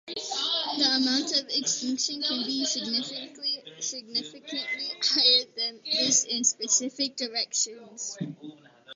The amount of extinction can be significantly higher than this in specific directions.